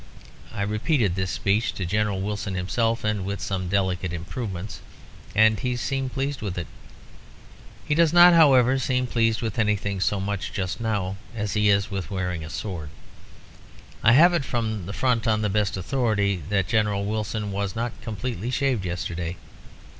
I repeated this speech to General Wilson himself, with some delicate improvements, and he seemed pleased with it. He does not, however, seem pleased with anything so much just now as he is with the wearing of a sword. I have it from the front on the best authority that General Wilson was not completely shaved yesterday.